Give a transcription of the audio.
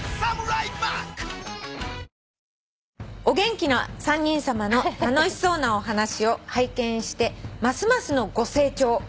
「お元気な３人さまの楽しそうなお話を拝見してますますのご成長